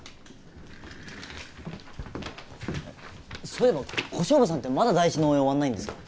そういえば小勝負さんってまだダイイチの応援終わんないんですか？